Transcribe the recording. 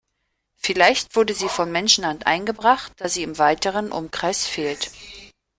Vielleicht wurde sie von Menschenhand eingebracht, da sie im weiteren Umkreis fehlt.